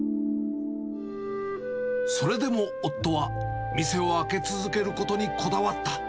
それでも夫は店を開け続けることにこだわった。